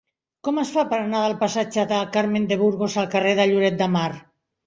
Com es fa per anar del passatge de Carmen de Burgos al carrer de Lloret de Mar?